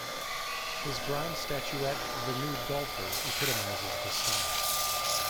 His bronze statuette "The Nude Golfer" epitomizes this style.